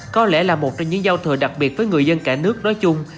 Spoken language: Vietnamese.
có lẽ là một trong những giao thừa đặc biệt với người dân cả nước nói chung